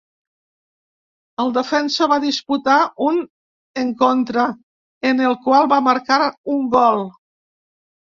El defensa va disputar un encontre, en el qual va marcar un gol.